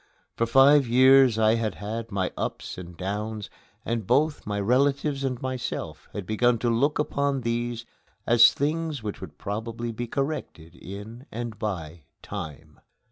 For five years I had had my ups and downs, and both my relatives and myself had begun to look upon these as things which would probably be corrected in and by time.